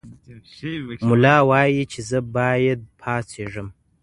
ملا وایي چې زه باید پاڅېږم.